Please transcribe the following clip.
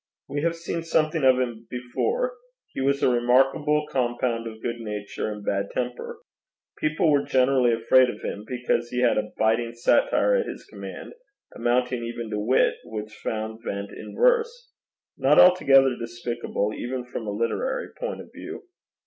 We have seen something of him before: he was a remarkable compound of good nature and bad temper. People were generally afraid of him, because he had a biting satire at his command, amounting even to wit, which found vent in verse not altogether despicable even from a literary point of view.